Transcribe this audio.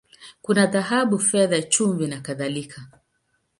Kuna dhahabu, fedha, chumvi, na kadhalika.